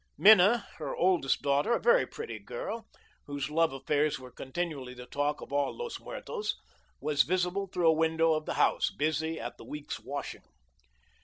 Minna, her oldest daughter, a very pretty girl, whose love affairs were continually the talk of all Los Muertos, was visible through a window of the house, busy at the week's washing.